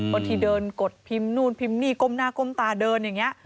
ที่เดินกดพิมพ์นู่นพิมพ์นี่ก้มหน้าก้มตาเดินอย่างนี้